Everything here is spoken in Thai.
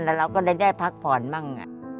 แล้วเราก็ได้พักผ่อนบ้าง